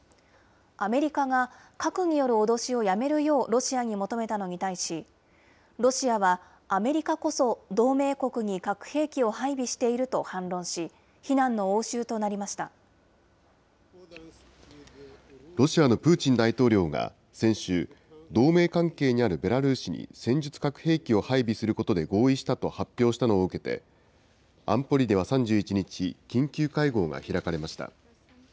アメリカが核による脅しをやめるようロシアに求めたのに対し、ロシアは、アメリカこそ同盟国に核兵器を配備していると反論し、ロシアのプーチン大統領が先週、同盟関係にあるベラルーシに戦術核兵器を配備することで合意したと発表したのを受けて、安保理では３１日、緊急会合が開かれました。